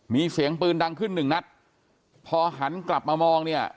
มีเสียงปืนดังขึ้นหนึ่งนัดพอหันกลับมามองเนี่ย